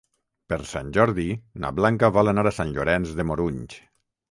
Per Sant Jordi na Blanca vol anar a Sant Llorenç de Morunys.